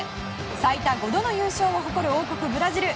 最多５度の優勝を誇る王国ブラジル。